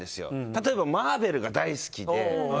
例えば、マーベルが大好きで。